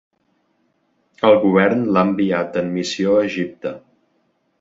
El govern l'ha enviat en missió a Egipte.